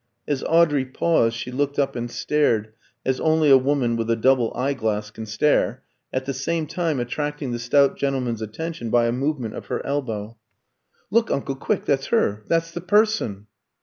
As Audrey paused she looked up and stared, as only a woman with a double eye glass can stare, at the same time attracting the stout gentleman's attention by a movement of her elbow. "Look, uncle, quick! That's her! That's the person!"